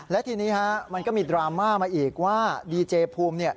และทีนี้ฮะมันก็มีดราม่ามาอีกว่าดีเจภูมิเนี่ย